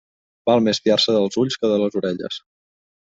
Val més fiar-se dels ulls que de les orelles.